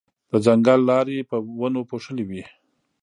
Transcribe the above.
د ځنګل لارې په ونو پوښلې وې.